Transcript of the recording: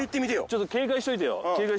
ちょっと警戒しといてよ